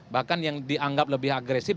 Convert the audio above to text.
bahkan yang dianggap lebih agresif